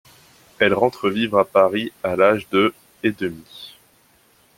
Elle rentre vivre à Paris à l'âge de et demi.